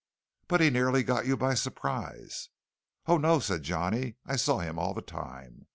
"But he nearly got you by surprise." "Oh, no," said Johnny; "I saw him all the time.